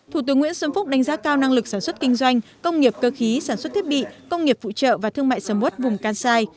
thủ tướng nguyễn xuân phúc đánh giá cao năng lực sản xuất kinh doanh công nghiệp cơ khí sản xuất thiết bị công nghiệp phụ trợ và thương mại sầm ốt vùng kansai